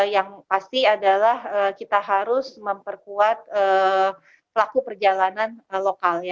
yang pasti adalah kita harus memperkuat pelaku perjalanan lokal